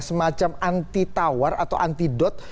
semacam anti tawar atau anti dot